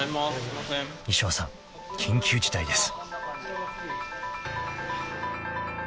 ［衣装さん緊急事態です］